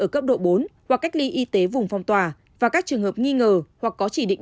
ở cấp độ bốn hoặc cách ly y tế vùng phong tỏa và các trường hợp nghi ngờ hoặc có chỉ định